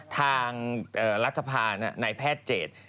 ทางรัฐภาพนายแพทย์๗